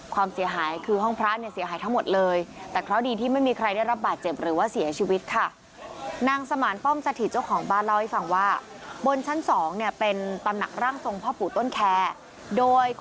ความเสียหายคือห้องพระเสียหายทั้งหมดเลย